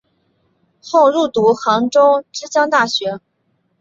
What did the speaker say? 后入读杭州之江大学。